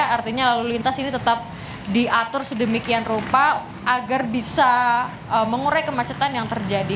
artinya lalu lintas ini tetap diatur sedemikian rupa agar bisa mengurai kemacetan yang terjadi